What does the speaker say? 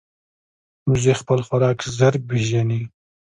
وزې خپل خوراک ژر پېژني